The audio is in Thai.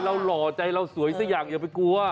หล่อใจเราสวยสักอย่างอย่าไปกลัว